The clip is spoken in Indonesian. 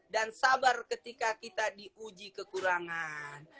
dan sabar ketika kita diuji kekurangan